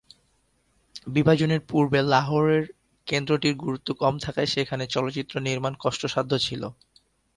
বিভাজনের পূর্বে লাহোরের কেন্দ্রটির গুরুত্ব কম থাকায় সেখানে চলচ্চিত্র নির্মাণ কষ্টসাধ্য ছিল।